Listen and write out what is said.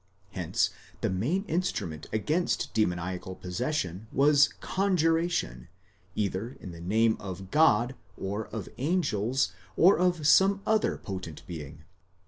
Hence the main instrument against demoniacal possession was conjuration,®© either in the name of God, or of angels, or of some other potent being, ¢.